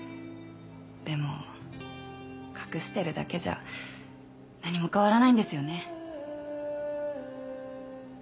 でも隠してるだけじゃ何も変わらないんですよね。